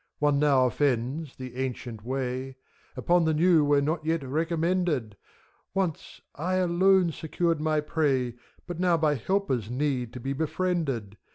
One now offends, the ancient way; Upon the new we're not yet recommended : Once, I alone secured my prey, But now by helpers need to be befriended.